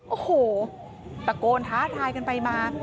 โอ้โหตะโกนท้าทายกันไปมา